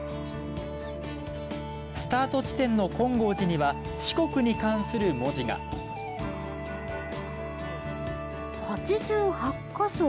スタート地点の金剛寺には四国に関する文字が「八十八ヶ所」。